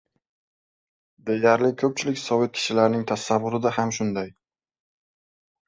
Deyarli, ko‘pchilik sovet kishilarining tasavvurida ham shunday.